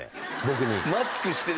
僕に。